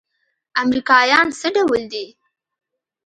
امريکايان څه ډول دي؟